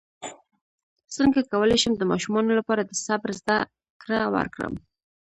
څنګه کولی شم د ماشومانو لپاره د صبر زدکړه ورکړم